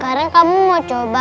kalau kau tidak bisa